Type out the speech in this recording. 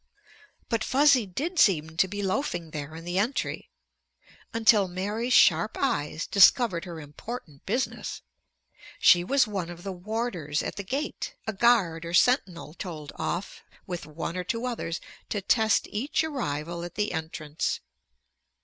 But Fuzzy did seem to be loafing there in the entry. Until Mary's sharp eyes discovered her important business. She was one of the warders at the gate, a guard or sentinel told off, with one or two others, to test each arrival at the entrance.